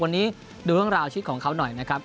วันนี้ดูข้างล่าวชิดของเขาหน่อยนะครับ